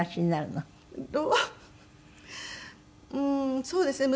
うーんそうですね